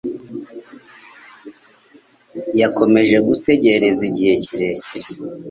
Yakomeje gutegereza igihe kirekire.